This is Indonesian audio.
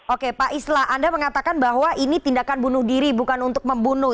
oke pak islah anda mengatakan bahwa ini tindakan bunuh diri bukan untuk membunuh